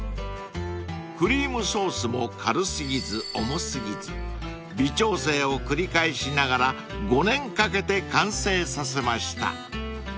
［クリームソースも軽過ぎず重過ぎず微調整を繰り返しながら５年かけて完成させました］